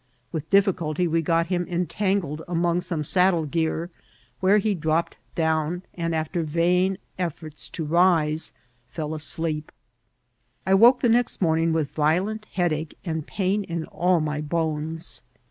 With difficulty we got him entangled among some saddle gear, when he drop ped down, and, after vain efforts to rise, fell asleq>. I woke the next morning with violent headache and pain in all my bones.